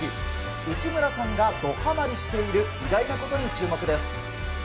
内村さんがどはまりしている意外なことに注目です。